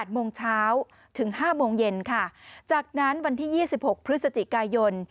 โมงเช้าถึง๕โมงเย็นค่ะจากนั้นวันที่๒๖พฤศจิกายน